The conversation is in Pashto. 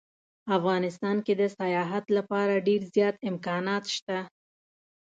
افغانستان کې د سیاحت لپاره ډیر زیات امکانات شته